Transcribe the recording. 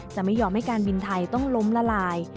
จะไม่ยอมให้การบินไทยต้องล้มละลาย